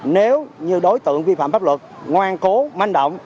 nếu như đối tượng vi phạm pháp luật ngoan cố manh động